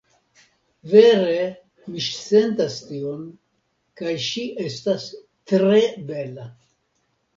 Vere, mi sentas tion, kaj ŝi estas tre bela